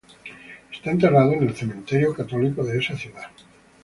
Está enterrado en el cementerio católico de esa ciudad.